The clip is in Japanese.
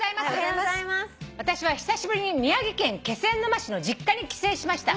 「私は久しぶりに宮城県気仙沼市の実家に帰省しました」